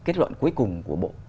kết luận cuối cùng của bộ